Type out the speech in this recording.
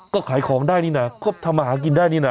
ก็ขายของได้นี่นะก็ทำอาหารกินได้นี่นะ